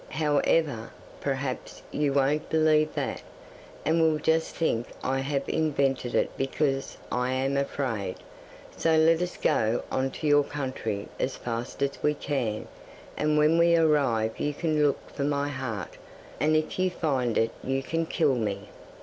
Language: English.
However, perhaps you won't believe that, and will just think I have invented it because I am afraid, so let us go on to your country as fast as we can, and when we arrive you can look for my heart, and if you find it you can kill me.